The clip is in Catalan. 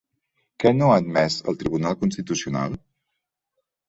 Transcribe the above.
Què no ha admès el Tribunal Constitucional?